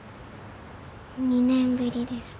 ２年ぶりです。